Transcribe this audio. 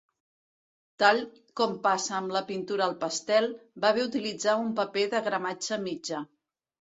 Tal com passa amb la pintura al pastel, va bé utilitzar un paper de gramatge mitjà.